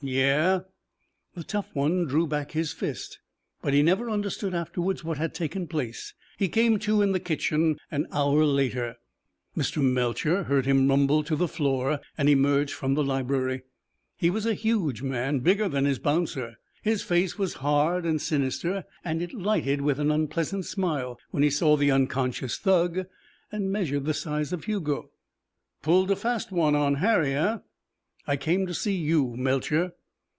"Yeah?" The tough one drew back his fist, but he never understood afterwards what had taken place. He came to in the kitchen an hour later. Mr. Melcher heard him rumble to the floor and emerged from the library. He was a huge man, bigger than his bouncer; his face was hard and sinister and it lighted with an unpleasant smile when he saw the unconscious thug and measured the size of Hugo. "Pulled a fast one on Harry, eh?" "I came to see you, Melcher."